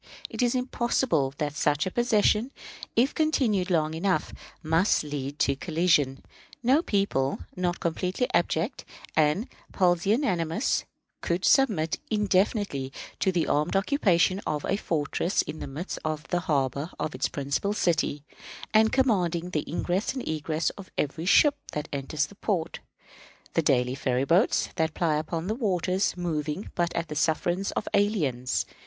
It is impossible but that such a possession, if continued long enough, must lead to collision. No people, not completely abject and pusillanimous, could submit, indefinitely, to the armed occupation of a fortress in the midst of the harbor of its principal city, and commanding the ingress and egress of every ship that enters the port, the daily ferry boats that ply upon the waters moving but at the sufferance of aliens.